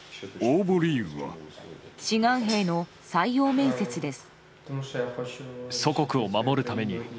志願兵の採用面接です。